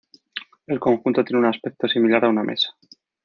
El conjunto tiene un aspecto similar a una mesa.